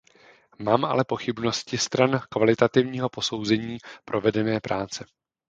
Mám ale pochybnosti stran kvalitativního posouzení provedené práce.